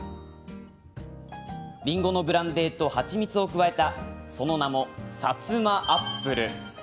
りんごのブランデーと蜂蜜を加えたその名もサツマアップル。